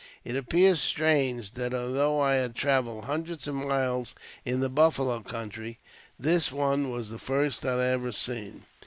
It appears strange that, although I had travelled hundreds of miles in the buffalo country, this one was the first I had ever seen.